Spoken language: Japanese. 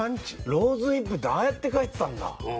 ローズ・ウィップってああやって書いてたんだ。